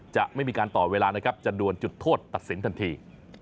จะไม่มีการต่อเวลานะครับจะดวนจุดโทษตัดสินทันที